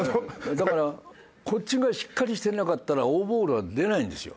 だからこっちがしっかりしてなかったら王ボールは出ないんですよ。